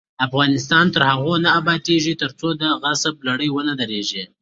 افغانستان تر هغو نه ابادیږي، ترڅو د غصب لړۍ ونه دریږي.